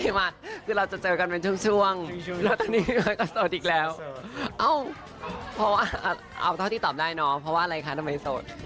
เพราะว่าเอาเท่าที่ตอบได้เนาะเพราะว่าอะไรคะทำไมโสด